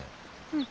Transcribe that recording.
うん。